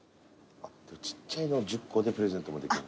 ちっちゃいのを１０個でプレゼントもできるんだ。